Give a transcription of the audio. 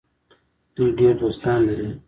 دوی ډیر دوستان لري.